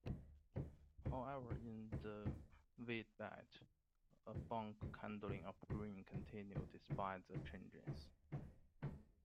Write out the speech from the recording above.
However, in the wheatbelt, bulk handling of grain continued despite the changes.